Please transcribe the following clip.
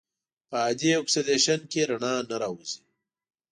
په عادي اکسیدیشن کې رڼا نه راوځي.